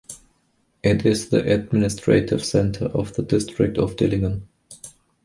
It is the administrative center of the district of Dillingen.